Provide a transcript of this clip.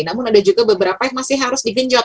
namun ada juga beberapa yang masih harus digenjot